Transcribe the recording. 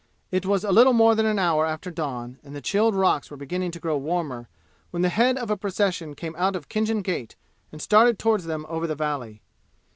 It was a little more than an hour after dawn and the chilled rocks were beginning to grow warmer when the head of a procession came out of Khinjan Gate and started toward them over the valley.